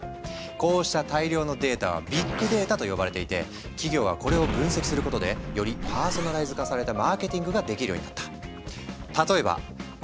こうした大量のデータはビッグデータと呼ばれていて企業はこれを分析することでよりパーソナライズ化されたマーケティングができるようになった。